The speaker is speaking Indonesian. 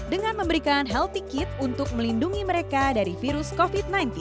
dengan memberikan healthy kit untuk melindungi mereka dari virus covid sembilan belas